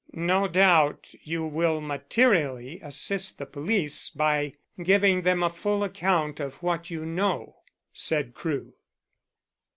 "No doubt you will materially assist the police by giving them a full account of what you know," said Crewe.